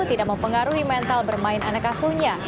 tidak mempengaruhi mental bermain anak asuhnya